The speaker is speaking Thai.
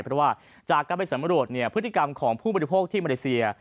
เพราะว่าจากการไปสำรวจพฤติกรรมของผู้บริโภคที่มาเลเซีย